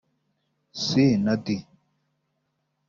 C na D